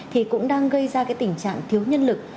thì cũng đang gây ra cái tình trạng thiếu nhân lực